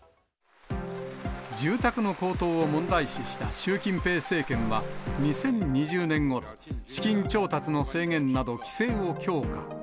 住宅の高騰を問題視した習近平政権は、２０２０年ごろ、資金調達の制限など規制を強化。